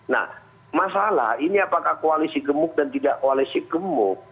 nah masalah ini apakah koalisi gemuk dan tidak koalisi gemuk